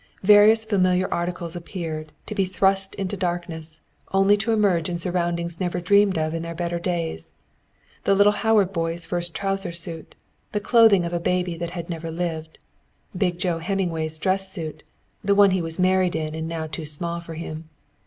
Various familiar articles appeared, to be thrust into darkness, only to emerge in surroundings never dreamed of in their better days the little Howard boy's first trouser suit; the clothing of a baby that had never lived; big Joe Hemmingway's dress suit, the one he was married in and now too small for him.